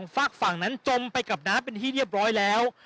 ฝากฝั่งนั้นจมไปกับน้ำเป็นที่เรียบร้อยแล้ว